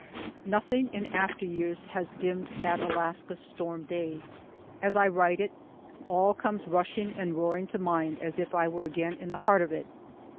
Nothing in after years has dimmed that Alaska storm day. As I write it all comes rushing and roaring to mind as if I were again in the heart of it.